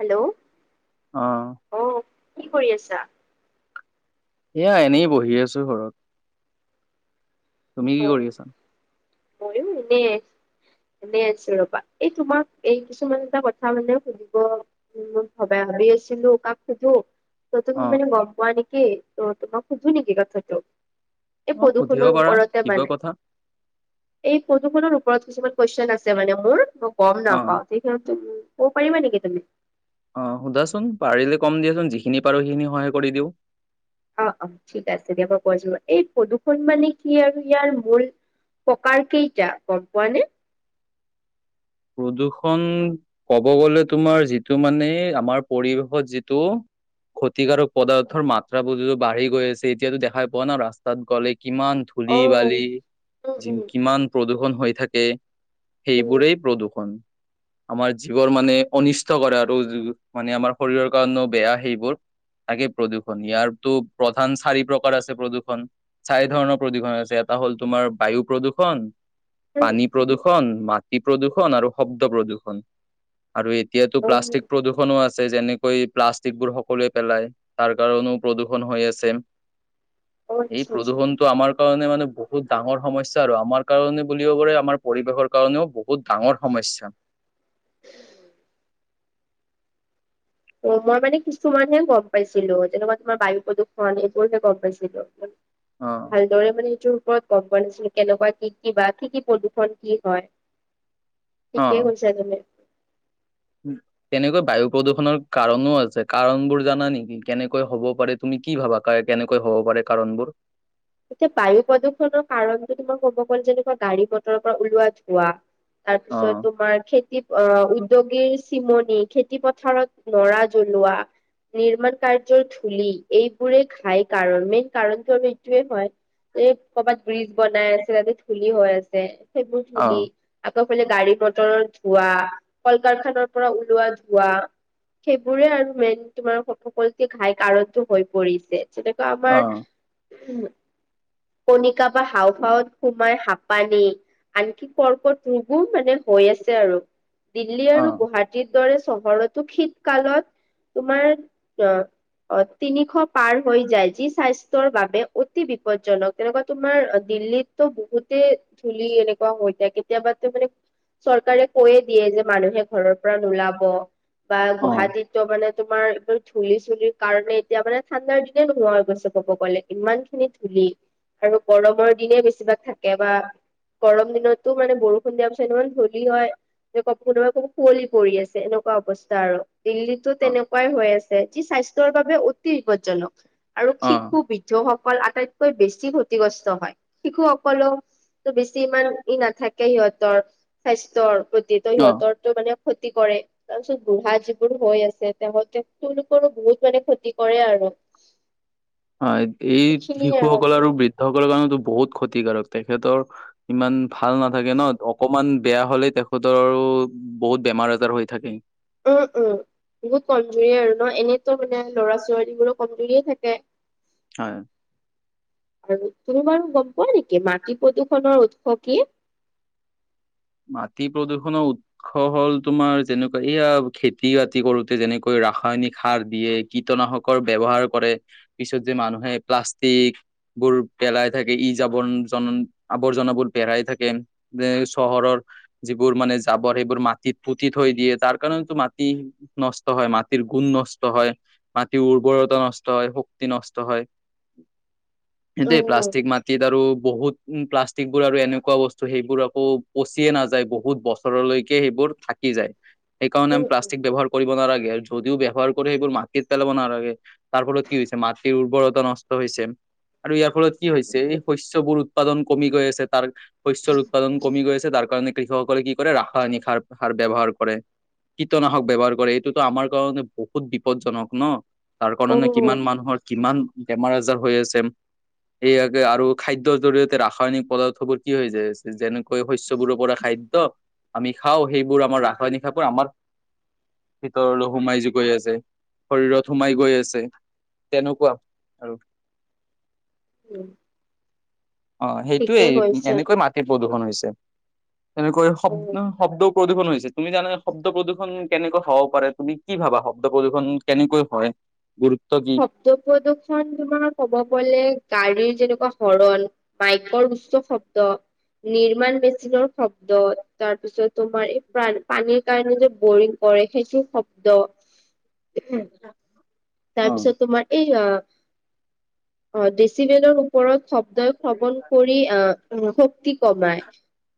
Hello, অ', অ, কি কৰি আছা? এয়া, এনেই বহি আছো ঘৰত, তুমি অ কি কৰি আছা। ময়ো এনে। এনেই আছো ৰবা, এই তোমাক এই কিছুমান এটা কথা মানে সুধিব মোক ভবা ভাবি আছিলো কাক সোধু, ত তুমি অ', মানে গম পোৱা নেকি, ত তোমাক খুদো নেকি কথাটো? এই অ, সুধিব প্ৰদূষণৰ পৰা। ওপৰতে এই ফটোষনৰ ওপৰত কিছুমান কশ্নেষন আছে মানে মোৰ গম অ', নাপাও, তেইখতো ক'ব পাৰিবা নেকি তুমি? অ সুধাচোন পাৰিলে কম দিয়াচোন যিখিনি পাৰো সেইখিনি সহায় কৰি দিওঁ। অ-অ ঠিক আছে দিয়া, মই কয় আছো বাৰু, এই ফটোষন মানে কি আৰু ইয়াৰ মূল ককাৰ কেইটা গম পোৱানে? প্ৰদূ্ষণ, কব গলে তোমাৰ যিটো মানে আমাৰ পৰিৱেশত যিটো ক্ষতিকাৰক পদাৰ্থৰ মাত্ৰা বোৰ বাঢ়ি গৈ আছে, এতিয়াতো দেখা পোৱা না ৰাস্তাত গ'লে। কিমান অ ধূলি উম বালি যি উম কিমান প্ৰদূষন হৈ থাকে। উম সেইবোৰেই প্ৰদূৰষণ আমাৰ জীৱৰ মানে অনিষ্ট কৰে আৰু মানে আমাৰ শৰীৰৰ কাৰণেও বেয়া সেইবোৰ। তাকেই প্ৰদূষণ ইয়াৰতো প্ৰধান চাৰি প্ৰকাৰ আছে প্ৰদূষণ চাৰি ধৰণৰ প্ৰদূষণ আছে ইয়াত। এটা হ'ল তোমাৰ বায়ু প্ৰদূষণ। উম পানী প্ৰদূৰষণ, মাটি প্ৰদূষণ আৰু শব্দ প্ৰদূষণ। আৰু এতিয়াাতো অ প্লাষ্টিক প্ৰদূষণো আছে। আছে যেনেকৈ প্লাষ্টিক বোৰ সকলোৱে পেলায় তাৰ কাৰণও প্ৰদূষন হৈ আছে। অ এই আচ্ছা আচ্ছা প্ৰদূষণটো আমাৰ কাৰণে মানে বহুত ডাঙৰ সমস্যা আৰু আমাৰ কাৰণে বুলিব পাৰে আমাৰ পৰিৱেশৰ কাৰণেও বহুত ডাঙৰ সমস্যা। অ, মই মানে কিছুমানহে গম পাইছিলো যেনেকুৱা তোমাৰ বায়ু প্ৰদূৰণ এইবোৰহে গম পাইছিলো। অ', ভালদৰে মানে সিটোৰ ওপৰত গম পোৱা নাছিলো, কেনেকুৱা কি- কি বা কি- কি প্ৰদূষণ কি হয়। ঠিকে কৈছা তুমি। কেনেকৈ বায়ু প্ৰদূষণৰ কাৰণো আছে কাৰণ বোৰ জানা নেকি কেনেকৈ হ'ব পাৰে তুমি। কি ভাবা কাৰ কেনেকৈ হব পাৰে কাৰণবোৰ। এতিয়া বায়ু প্ৰদূষণৰ কাৰণটো তোমাৰ ক'ব গ'ল যেনেকুৱা গাড়ী মটৰৰ পৰা ওলোৱা ধোৱা অ তাৰপিছত তোমাৰ খেতি উদ্যোগ চিমনি খেতি পথাৰত নৰা জ্বলোৱা। নিৰ্মাণ কাৰ্যৰ ধূলি এইবোৰে ঘাই কাৰণ মেইন কাৰণটো হল যে হয় এই কৰ'ৰবাত ব্ৰিজ বনাই আছে তাতে থুলি হৈ আছে। সেইবোৰ অ ধূলি [unintelligible] গাড়ী মটৰৰ ধোৱা কল কাৰখানাৰ পৰা ওলোৱা ধোৱা। সেইবোৰে আৰু মেইন তোমাৰ সকলো ঘাই কাৰণ হৈ পৰিছে। যেনেকুৱা অ আমাৰ কণিকা বা হাওফাওত সোমাই হাপানি আনকি কৰ্কট ৰোগো মানে হৈ আছে আৰু দিল্লী অ অ আৰু গুৱাহাটীত এইদৰে চহৰতো শীত কালত তোমাৰ অ - অ তিনিশ পাৰ হৈ যায় যি স্বাস্থ্যৰ বাবে অতি বিপদজনক তেনেকুৱা তোমাৰ দিল্লীতো বহুতে ধূলি এনেকুৱা হৈ থাকে। কেতিয়াবাো মানে চৰকাৰে কৈয়ে দিয়ে যে মানুহে ঘৰৰ পৰা নোলাব। বা গুৱাহাটীত তো মানে তোমাৰ এইবোৰ ধূলি চুলিৰ কাৰণে এতিয়া মানে ঠাণ্ডাৰ দিনে নোহোৱা হৈ গৈছে ক'ব গ'লে। ইমান খিনি ধূলি আৰু গৰমৰ দিনে বেছিভাগ থাকে বা গৰম দিনতো মানে বৰষুণ দিয়াৰ পিছত ইমান ধূলি হয়। যেনেকুৱা কোনোবাকে কুৱলি পৰি আছে এনেকুৱা অৱস্থা আৰু দিল্লীতো অ তেনেকুৱাই হৈ আছে, যি স্বাস্থ্যৰ বাবে অতি বিপদজনক আৰু অ শিশু বি সকল আটাইতকৈ বেছি ক্ষতিগ্ৰস্ত হয় শিশুসকললেও ত' বেছি ইমান ই নাথাকে সিহতৰ স্বাস্থ্যৰ প্ৰতি টো অ সিহতৰটো মানে ক্ষতি কৰে। তাৰপিছত বুঢ়া যিবোৰ হৈ আছে তেও তেওঁলোকৰো বহুত মানে ক্ষতি কৰে আৰু। [inaudible] হয় এই শিশুসকল আৰু বৃদ্ধসকলৰ কাৰণো বহুত ক্ষতিকাৰক তেখেতৰ ইমান। ভাল নাথাকে ন অকমান বেয়া হলেই তেখেতৰ আৰু বহুত বেমাৰ আজাৰ হৈ থাকে। উম- উম। বহুত কমজুৰি আৰু ন এনেইতো মানে ল'ৰা ছোৱালীবোৰো কমজুৰিয়ে থাকে। হয়। আৰু তুমি বাৰু গম পোৱা নেকি মাটি প্ৰদূৰ্ষণৰ উৎস কি। [inaudible] মাটি প্ৰদূষণৰ উৎস হ'ল - তোমাৰ যেনেকুৱা এয়া খেতি বাতি কৰোতে, যেনেকৈ ৰাসায়নিক সাৰ দিয়ে, কীটনাশকৰ ব্যৱহাৰ কৰে, পিছত যে মানুহে প্লাষ্টিক বোৰ পেলাই থাকে, এই আৱৰ্জনাবোৰ পেলাই থাকে। চহৰৰ যিবোৰ মানে, জাবৰ সেইবোৰ মাটিত পুতি থৈ দিয়ে, তাৰ কাৰণে মাটি নষ্ট হয়, মাটিৰ গুণ নষ্ট হয়, মাটিৰ উৰ্বৰতা নষ্ট হয়, শক্তি নষ্ট হয়। [inaudible] সেইটোৱেই উম, প্লাষ্টিক মাটিত আৰু বহুত প্লাষ্টিক বোৰ আৰু এনেকুৱা বস্তু সেইবোৰ আকৌ পচিয়ে নাযায়, বহুত বছৰলৈকে সেইবোৰ থাকি যায়। সেইকাৰণে আমি উম, প্লাষ্টিক ব্যৱহাৰ কৰিব নালাগে। যদিও ব্যৱহাৰ কৰে, সেইবোৰ মাটিত পেলাব নালাগে। তাৰ ফলত কি হৈছে মাটিৰ উৰ্বৰতা নষ্ট হৈছে। আৰু ইয়াৰ ফলত কি হৈছে, উম, এই শস্যবোৰ উৎপাদন কমি গৈ আছে, তাৰ শস্যৰ উৎপাদন কমি গৈ আছে। তাৰ কাৰণে কৃষকসকলে কি কৰে, ৰাসায়নিক সাৰ ব্যৱহাৰ কৰে। কীটনাশক ব্যৱহাৰ কৰে, এইটোতো আমাৰ কাৰণে বহুত বিপদজনক ন? তাৰ কাৰণে কিমান উম। মানুহৰ কিমান বেমাৰ আজাৰ হৈ আছে। ইয়াকে আৰু খাদ্যৰ জৰিয়তে ৰাসায়নিক পদাৰ্থ বোৰ কি হৈ যায়? যেনেকৈ শস্য বোৰৰ পৰা খাদ্য আমি খাও সেইবোৰ আমাৰ ৰাসায়নিক সাৰবোৰ আমাৰ ভিতৰলৈ সোমাই গৈ আছে, শৰীৰত সোমাই গৈ আছে। তেনেকুৱা আৰু উম। অ', সেইটোয়েই এনেকৈয়ে মাটিৰ প্ৰদূষণ হৈছে। তেনেকৈ অ'। শব্দ- শব্দ প্ৰদূৰষণ হৈছে, তুমি জানা শব্দ প্ৰদূষণ কেনেকৈ হব পাৰে, তুমি কি ভাবা শব্দ প্ৰদূষণ কেনেকৈ হয়? গুৰু শব্দ প্ৰদূ্ষন তোমাৰ ক'ব গলে গাড়ীৰ যেনেকৈ হৰণ, বাইকৰ উচ্চ শব্দ, নিৰ্মাণ মেচিনৰ শব্দ, তাৰপিছত তোমাৰ এই পানীৰ কাৰণে যে বৰিং কৰে, সেইটো শব্দ। অ তাৰপিছত তোমাৰ, এই অ', ডেচিলৰ ওপৰত শব্দ ভ্ৰমণ কৰি, শক্তি কমায়।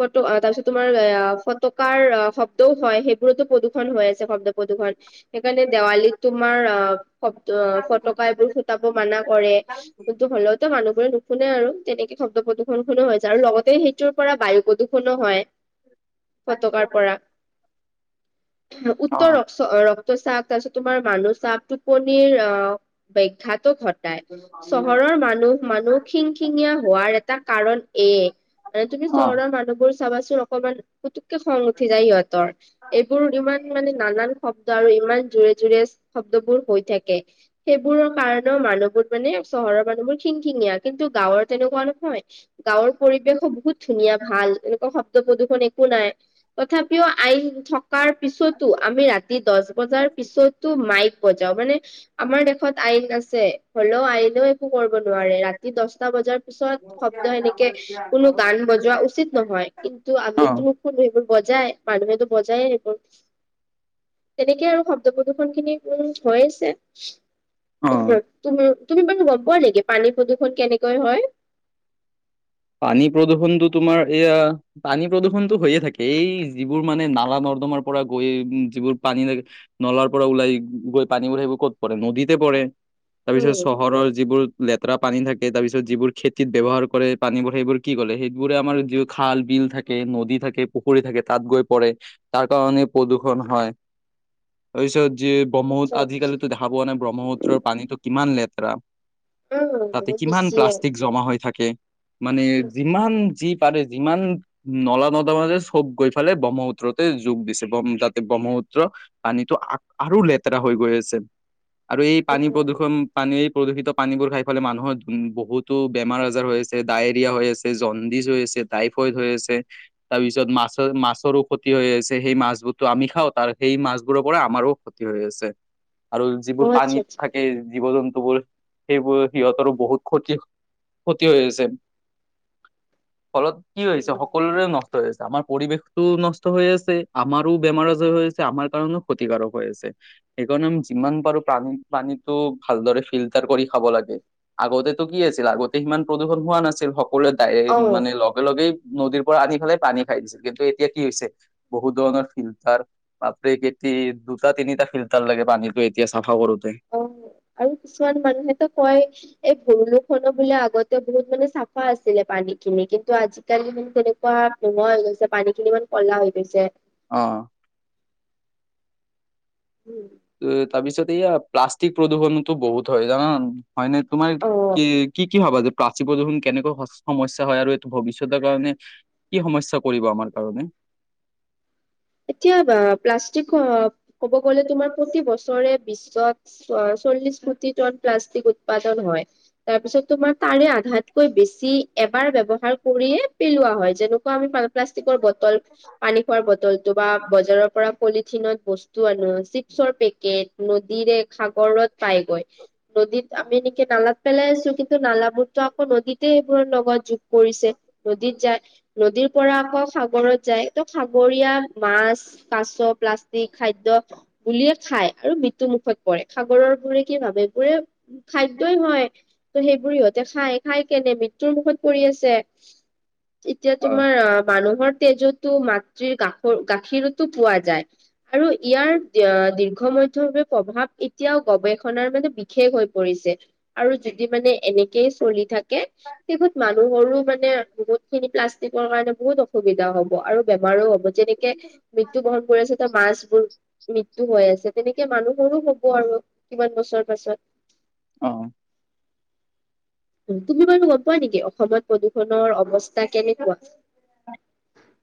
তাৰ পিছত তোমাৰ অ, ফটকাৰ শব্দও হয়। সেইবোৰতো হৈ আছে শব্দ প্ৰদূ্ষণ, সেইকাৰণে দেৱালীত তোমাৰ অ' শব্দ ফটকা এইবোৰ ফুটাব মানা কৰে, কিন্তু হলেও মানুহে নুশুনে আৰু তেনেকে শব্দ প্ৰদূষন শুনো হয়, আৰু লগতে সেইটোৰ পৰা বায়ু প্ৰদূষণো হয়। ফটকাৰ পৰা। অ উত্তৰ ৰক্ত ৰক্তচাপ, তাৰপিছত তোমাৰ মানুহ চাপো পনীৰ বিখ্যাত। ঘটাই চহৰৰ মানুহ - মানুহ খিংখিঙীয়া হোৱাৰ এ কাৰণ এ মানে তুমি অ চহৰৰ মানুহবোৰ চাবাচোন অকমান পুতুককে খং উঠি যায়, সিহঁতৰ এইবোৰ ইমান মানে নানান শব্দ আৰু ইমান জোৰে - জোৰে শব্দবোৰ হৈ থাকে। সেইবোৰৰ কাৰণেও মানুহবোৰ মানে চহৰৰ মানুহবোৰ খিংখিঙীয়া, কিন্তু গাৱৰ তেনেকুৱা নহয়, গাৱৰ পৰিৱেশ বহুত ধুনীয়া ভাল এনেকুৱা শব্দ প্ৰদূৰষণ একো নাই। তথাপিও আই থকা থকাৰ পিছতো আমি ৰাতি দহ বজাৰ পিছতো মাইক বজাও, মানে আমাৰ দেশত আইন আছে, হলেও আইনেও একো কৰিব নোৱাৰে, ৰাতি দহটা বজাত পিছত শব্দ এনেকে কোনো গান বজোৱা উচিত নহয়। কিন্তু আমিতোবোৰ বজাই মানুহেতো বজায়ে থাকিব, তেনেকে আৰু শব্দ প্ৰদূ্ষন খিনি। উ হৈছে, অ উ অ তুমি। তুমি বাৰু গম পোৱা নেকি পানী প্ৰদূৰ্ষণ কেনেকৈ হয়? পানী প্ৰদূৰ্ষণতটো তোমাৰ এইয়া পানী প্ৰদূৰ্ষণতটো হৈয়ে থাকে, এই যিবোৰ মানে নালা ন ৰ্দমাৰ পৰা গৈ যিবোৰ পানী লাগে নলাৰ পৰা ওলাই গৈ পানীবোৰ সেইবোৰ ক'ত পৰে? নদীতে পৰে। তাৰপিছত উম চহৰৰ যিবোৰ লেতেৰা পানী থাকে তাৰপিছত যিবোৰ খেতিত ব্যৱহাৰ কৰে পানীবোৰ সেইবোৰ কি কৰে সেইবোৰে আাৰ য খাল বিল থাকে নদী থাকে পুখুৰী থাকে তাত গৈ পৰে তাৰ কাৰণে প্ৰদূষণ হয় তাৰ পিচত যে আচ্ছা ব্ৰহ্মপুত্ৰ আজিকালিতো দেখা পোৱা নাই ব্ৰহ্মপুত্ৰৰ পানীতটো কিমান লেতেৰা উম তাতে বহুত কিমান বেছিয়ে প্লাষ্টিক জমা হৈ থাকে মানে উম যিমান যি পাৰে যিমান নলা নৰ্দমা যে চব গৈ ফালে ব্ৰহ্মপুত্ৰতে যোগ দিছে বহ্ম তাতে ব্ৰহ্মপুত্ৰ [unintelligible] পানীটো আৰু লেতেৰা হৈ গৈ আছে, আৰু এই পানী উম প্ৰদূষণ পানী প্ৰদূষিত পানীবোৰ খাই ফালাই মানুহৰ বহুতো বেমাৰ আজাৰ হৈ আছে ডায়েৰিয়া হৈ আছে জণ্ডিছ হৈ আছে টাইফইড হৈ আছে তাৰপিছত মাছৰ মাছৰো ক্ষতি তি হৈ আছে সেই মাছবোৰ তো আমি খাওঁ তাৰ সেই মাছবোৰৰ পৰা আমাৰো ক্ষতি হৈ আছে। আৰু অ যিবোৰ আচ্ছা পানীত আচ্ছা থাকে জীৱ জন্তু বোৰ সেইবোৰ সিহঁতৰ বহুত ক্ষতি ক্ষতি হৈ আছে ফলত কি হৈছে উম সকলোৰে নষ্ট হৈ আছে। আমাৰ পৰিৱেশটো নষ্ট হৈ আছে আমাৰো বেমাৰ আজাৰ হৈ আছে আমাৰ কাৰণেও ক্ষতিকাৰক হৈ আছে সেইকাৰণে আমি যিমান পাৰো পানী পানীটো ভালদৰে ফিল্টাৰ কৰি খাব লাগে আগতেতো কি আছিল আগতে সিমান প্ৰদূষণ হোৱা নাছিল সকলোৱে দায় অ মানে লগে লগেই নদীৰ পৰা আনি পেলাই পানী খাই দিছিল কিন্তু এতিয়া কি হৈছে বহুত ধৰণৰ ফিল্টাৰ বাপৰে কে দুটা তিনিটা ফিল্টাৰ লাগে পানীটো এতিয়া চফা কৰো অ আৰু কিছুমান মানুহেতো কয় এই ভৰলুখনো বোলে আগতে বহুত মানে চাফা আছিলে পানী খিনি কিন্তু আজিকালি মানে তেনেকুৱা নোহোৱা হৈ গৈছে পানী খিনি ইমান কলা হৈ গৈছে অ আৰু কিছুমান মানুহেতো কয় উম। তাৰপিছত এইয়া প্লাষ্টিক প্ৰদূষণোটো বহুত হয় জানান হয় নে তোমাৰ অ কি কি কি হবা এই প্ৰাচী প্ৰদূষণ কেনেকুৱা সমস্যা হয় আৰু এইটো ভৱিষ্যতৰ কাৰণে কি সমস্যা কৰিব আমাৰ কাৰনে [unintelligible] এতিয়া বা প্লাষ্টিক ক'ব গলে তোমাৰ প্ৰতি বছৰে বিশ্বত চল্লিশ কোটিটন প্লাষ্টিক উৎপাদন হয় তাৰপিছত তোমাৰ তাৰে আধাতকৈ বেছি এবাৰ ব্যৱহাৰ কৰিয়ে পেলোৱা হয় যেনেকুৱা আমি প্লাষ্টিকৰ বটল পানী খোৱাৰ বটল তোবা বজাৰৰ পৰা পলিথিনত বস্তু আনো চিপছৰ পেকেট নদীৰে সাগৰত পাইগৈ নদীত আমি নালাত পেলাই আছো কিন্তু নালাবোৰতো আকৌ নদীতে সেইবোৰৰ লগত যোগ পৰিছে নদীত যায় নদীৰ পৰা আকৌ সাগৰত যায় ত সাগৰীয়া মাছ কাছ প্লাষ্টিক খাদ্য বুলিয়ে খায় আৰু মৃত্যুমুখত পৰে সাগৰৰ বোৰে কি ভাবে এইবোৰে খাদ্যয়ই হয় ত সেইবোৰ সিহঁতে খাই খাই কেনে মৃত্যুৰ মুখত পৰি আছে এতিয়া অ তোমাৰ আহ মানুহৰ তেজতো মাতৃৰ গাখৰ গাখীৰতো পোৱা যায় আৰু ইয়াৰ দিঘ দীঘ প্ৰভাৱ এতিয়াও গৱেষণাৰ মানে বিশেষ হৈ পৰিছে আৰু যদি মানে এনে চলি থাকে শেষত মানুহৰো মানে বহুত খিনি প্লাষ্টিকৰ কাৰণে বহুত অসু সুবিধা হ'ব আৰু বেমাৰো হ'ব যেনে মৃত্যুবহন কৰি আছে ত মাছবোৰ মৃত্যু হৈ আছে তেনেকে মানুহৰো হব আৰু আৰু কিমান বছৰ পাছত অ [unintelligible] তুমি বাৰু গম পোৱা নেকি অসমত প্ৰদূষণৰ অৱস্থা কেনেকুৱা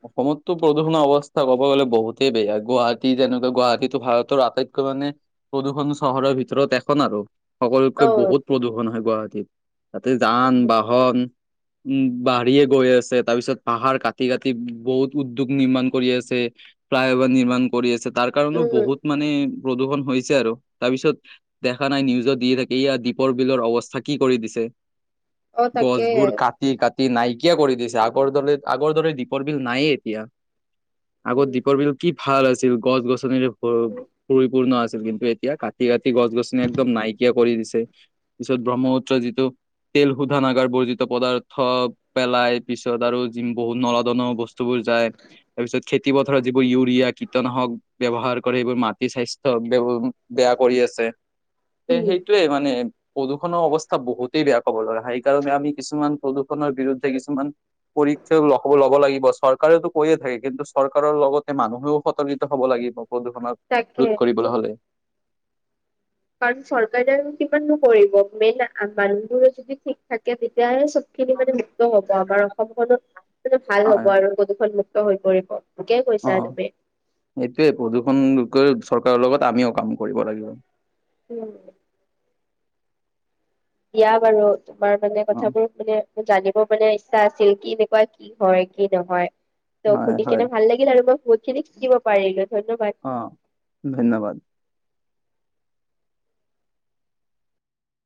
অসমততো প্ৰদূষণৰ অৱস্থা ক'ব গলে বহুতেই বেয়া গুৱাহাটী যেনেকুৱা গুৱাহাটীটো ভাৰতৰ আটাইতকৈ মানে প্ৰদূষণ চহৰৰ ভিতৰত এখন আৰু সকলোতকৈ অ', বহুত প্ৰদূষণ হয় গুৱাহাটীত তাতে যান বাহন উম, বাঢ়িয়ে গৈ আছে তাৰ পিছত পাহাৰ কাটি, কাটি। বহুত উদ্যোগ নিৰ্মাণ কৰি আছে। ফ্লাই অভাৰ নিৰ্মাণ কৰি আছে। তাৰ কাৰণও উম। বহুত মানে। প্ৰদূষণ হৈছে আৰু। তাৰ পিছত দেখা নাই নিউজত দি থাকে। এইয়া দ্বীপৰ বিলৰ অৱস্থা কি কৰি দিছে। অ তাকে গছবোৰ কাটি, কাটি নাইকিয়া কৰি দিছে। আগৰ দৰে আগৰ দৰে। দীপৰ বিল নায়েই এতিয়া। আগত উম দীপৰ বিল কি ভাল আছিল। গছ -গছনিৰে পৰিপূৰ্ণ আছিল। কিন্তু এতিয়া কাটি, কাটি গছ -গছনি একদম নাইকিয়া কৰি দিছে। পিছত ব্ৰহ্মপুত্ৰ যিটো তেল শোধানাগাৰ বৈধিত পদাৰ্থ পেলাই পিছত আৰু জিম বহুত নলত। বস্তু বোৰ যায় তাৰপিছত। খেতি পথাৰত যিবোৰ ইউৰিয়া কীটনাশক ব্যৱহাৰ কৰে সেইবোৰ মাটি স্বাস্থ্য। বেয়া কৰি আছে উম সেইটোৱে মানে। প্ৰদূষণৰ অৱস্থা বহুতেই বেয়া কব গলে সেকাৰণে আমি কিছুমান প্ৰদূষণৰ বিৰুদ্ধে কিছুমান। চে লক ল'ব লাগিব চৰকাৰে টো কৰিয়ে থাকে। কিন্তু চৰকাৰৰ লগতে মানুহেও সতৰ্কিত হ'ব লাগিব। প্ৰদূষণত তাকে ৰোধ কৰিবলৈ হ'লে। কাৰণ চৰকাৰে কিমান বোৰ কৰিব। মেইন মানুহবোৰে যদি ঠিক থাকে তেতিয়াহে চ খিনি মানে মুক্ত হব। আমাৰ অসমখনো মানে ভাল হব আৰু প্ৰদূষন মুক্ত হৈ পৰিব। ঠিকেই কৈছা অহ, তুমি সেইটোয়ে প্ৰদূষণক। চৰকাৰৰ লগত আমিও কাম কৰিব লাগিব। উম। দিয়া বাৰু তোমাৰ মানে অ কথাবোৰ মানে। জানিবৰ মানে ইচ্ছা আছিল। কি এনেকুৱা কি হয় কি নহয়। ত হয় শুনি হয় কেনে ভাল লাগিল আৰু মই বহুত খিনি শিকিব পাৰিলো। ধন্যবাদ অহ, ধন্যবাদ।